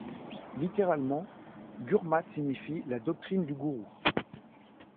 Littéralement gurmat signifie la doctrine du gourou.